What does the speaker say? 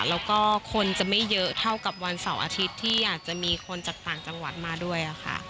แล้วก็คนจะไม่เยอะเท่ากับวันเสาร์อาทิตย์ที่อาจจะมีคนจากต่างจังหวัดมาด้วยค่ะ